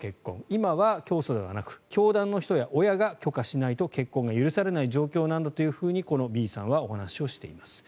今は教祖ではなく教団の人や親が許可しないと結婚が許されない状況なんだとこのＢさんはお話をしています。